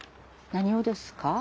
何をですか？